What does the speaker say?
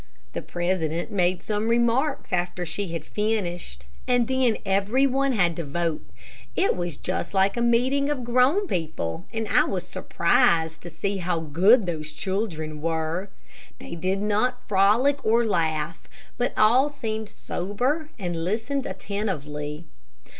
The president made some remarks after she had finished, and then every one had to vote. It was just like a meeting of grown people, and I was surprised to see how good those children were. They did not frolic nor laugh, but all seemed sober and listened attentively.